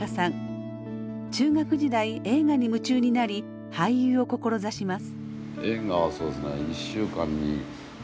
中学時代映画に夢中になり俳優を志します。